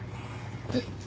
えっ？